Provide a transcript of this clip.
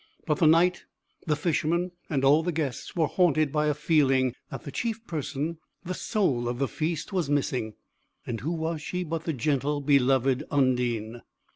But the Knight, the Fisherman, and all the guests were haunted by a feeling that the chief person, the soul of the feast, was missing; and who was she but the gentle, beloved Undine?